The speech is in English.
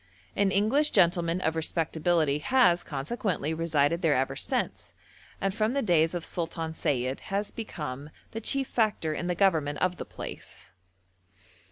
An English gentleman of respectability has consequently resided there ever since, and from the days of Sultan Sayid has become the chief factor in the government of the place.